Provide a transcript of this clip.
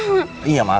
jangan janji papa apa